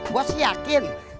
gua sih yakin